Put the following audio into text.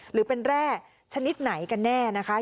หรือเป็นแร่ชนิดไหนกันแน่นะคะ